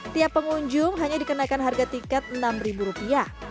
tiap pengunjung hanya dikenakan harga tiket enam ribu rupiah